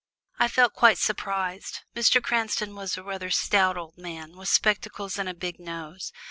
I felt quite surprised. Mr. Cranston was a rather stout old man, with spectacles and a big nose.